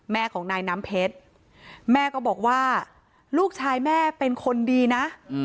แม่ของนายน้ำเพชรแม่ก็บอกว่าลูกชายแม่เป็นคนดีนะ